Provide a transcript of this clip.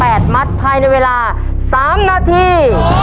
ตัดไม้กระถุงจำนวน๘มัตต์ภายในเวลา๓นาที